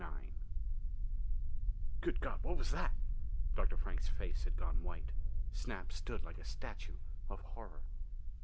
IX "Good God, what was that?" Dr. Frank's face had gone white. Snap stood like a statue of horror.